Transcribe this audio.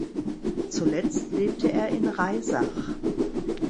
Zuletzt lebte er in Reisach.